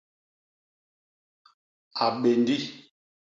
A béndi.